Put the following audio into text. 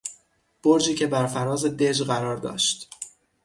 برجی که برفراز دژ قرار داشت